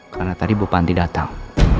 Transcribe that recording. karena tadi bu panti datang